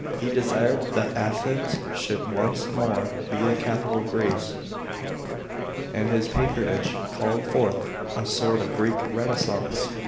He desired that Athens should once more be the capital of Greece, and his patronage called forth a sort of Greek Renaissance.